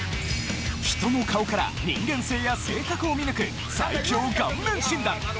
人の顔から人間性や性格を見抜く、最強顔面診断。